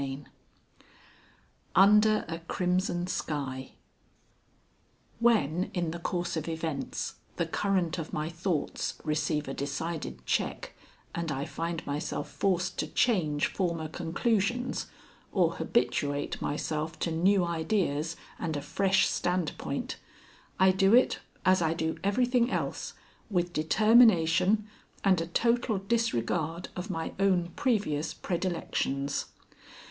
XXXIX UNDER A CRIMSON SKY When, in the course of events, the current of my thoughts receive a decided check and I find myself forced to change former conclusions or habituate myself to new ideas and a fresh standpoint, I do it, as I do everything else, with determination and a total disregard of my own previous predilections.